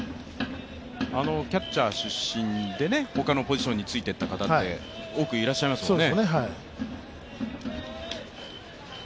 キャッチャー出身で他のポジションについていらした方は多くいらっしゃいますよね。